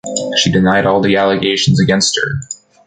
She denied all the allegations against her.